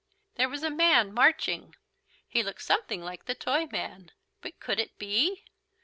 There was a man marching. He looked something like the Toyman. But could it be?